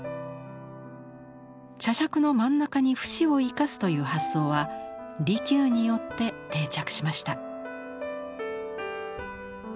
茶杓の真ん中に節を生かすという発想は利休によって定着しました。